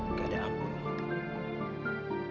nggak ada apa apa